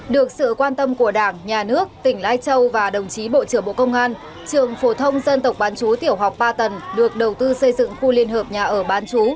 được sự quan tâm của đảng nhà nước tỉnh lai châu và đồng chí bộ trưởng bộ công an trường phổ thông dân tộc bán chú tiểu học ba tầng được đầu tư xây dựng khu liên hợp nhà ở bán chú